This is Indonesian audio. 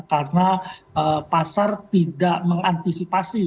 karena pasar tidak mengantisipasi